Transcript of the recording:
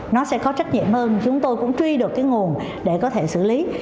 nó sẽ có trách nhiệm hơn chúng tôi cũng truy được cái nguồn để có thể xử lý